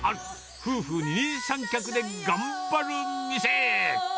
夫婦二人三脚で頑張る店。